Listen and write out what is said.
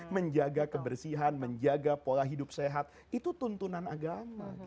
menjaga kebersihan menjaga pola hidup sehat itu tuntunan agama